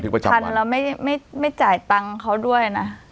๘พันแล้วไม่จ่ายตังน์เขาด้วยนะ